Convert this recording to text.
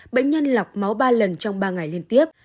bệnh nhân lọc máu ba lần trong ba ngày liên tiếp